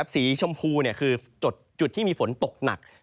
สีชมพูคือจุดที่มีฝนตกหนัก